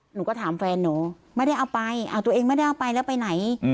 หนูก็ถามแฟนหนูไม่ได้เอาไปตัวเองไม่ได้เอาไปแล้วไปไหน